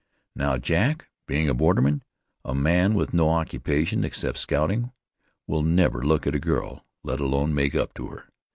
Now, Jack, being a borderman, a man with no occupation except scouting, will never look at a girl, let alone make up to her.